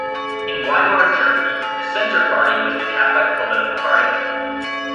In Weimar Germany, the Centre Party was the Catholic political party.